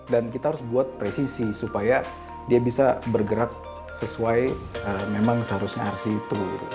dan kita harus buat presisi supaya dia bisa bergerak sesuai memang seharusnya rc itu